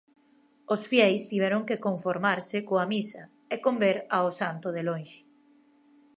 Os fieis tiveron que conformarse coa misa e con ver o santo de lonxe.